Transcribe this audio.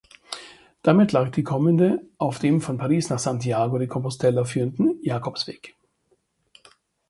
Damit lag die Kommende auf dem von Paris nach Santiago de Compostela führenden Jakobsweg.